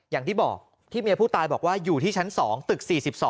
อย่างที่บอกที่เมียผู้ตายบอกว่าอยู่ที่ชั้น๒ตึก๔๒